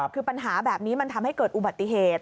คือปัญหาแบบนี้มันทำให้เกิดอุบัติเหตุ